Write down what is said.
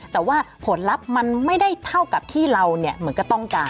แต่ว่าผลลัพธ์มันไม่ได้เท่ากับที่เราเหมือนกับต้องการ